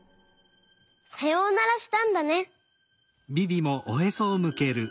さようならしたんだね。